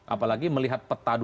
apalagi melihat peta